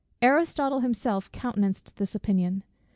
Aristotle himself countenanced this opinion.